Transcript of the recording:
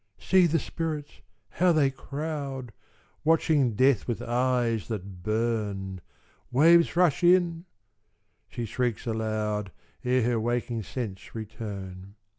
"See the spirits, how they crowd! Watching death with eyes that burn! Waves rush in " she shrieks aloud, Ere her waking sense return.